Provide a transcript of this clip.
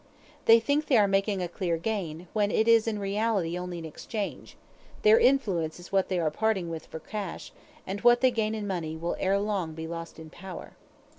They think they are making a clear gain, when it is in reality only an exchange; their influence is what they are parting with for cash; and what they gain in money will ere long be lost in power.